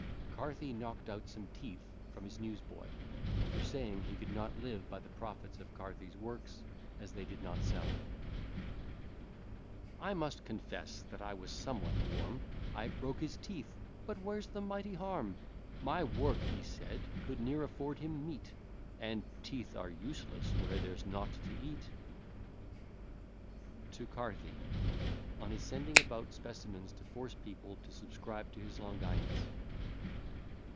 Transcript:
CARTHY KNOCKED OUT SOME TEETH FROM HIS NEWS BOY For saying he could not live by the profits of Carthy's works, as they did not sell. I must confess that I was somewhat warm, I broke his teeth, but where's the mighty harm? My work he said could ne'er afford him meat, And teeth are useless where there's nought to eat! TO CARTHY On his sending about specimens to force people to subscribe to his Longinus.